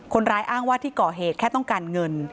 คนร้ายอ้างว่าที่ก่อเหตุแค่ต้องการเงิน